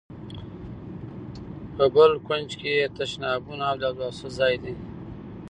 په بل کونج کې یې تشنابونه او د اوداسه ځای دی.